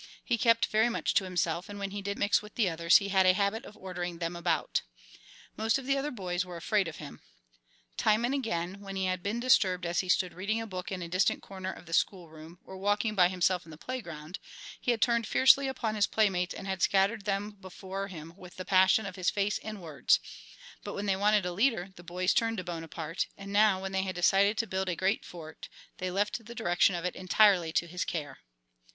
He kept very much to himself, and when he did mix with the others he had a habit of ordering them about. Most of the other boys were afraid of him. Time and again, when he had been disturbed as he stood reading a book in a distant corner of the schoolroom or walking by himself in the playground, he had turned fiercely upon his playmates and had scattered them before him with the passion of his face and words; but when they wanted a leader the boys turned to Bonaparte, and now when they had decided to build a great fort they left the direction of it entirely to his care.